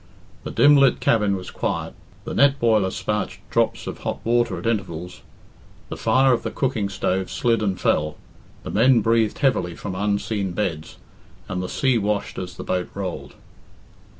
The dim lit cabin was quiet, the net boiler sparched drops of hot water at intervals, the fire of the cooking stove slid and fell, the men breathed heavily from unseen beds, and the sea washed as the boat rolled.